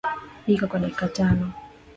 Pika kwa dakika tano